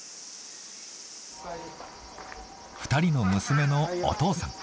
２人の娘のお父さん。